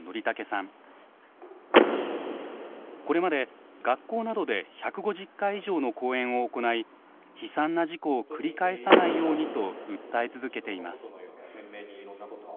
これまで学校などで１５０回以上の講演を行い悲惨な事故を繰り返さないようにと訴え続けています。